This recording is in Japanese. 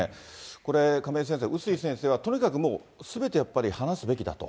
これ、亀井先生、碓井先生はとにかくもう、すべてやっぱり話すべきだと。